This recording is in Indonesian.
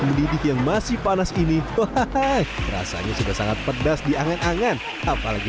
mendidih yang masih panas ini hahaha rasanya sudah sangat pedas di angan angan apalagi